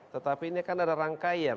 tetapi ini kan ada rangkaian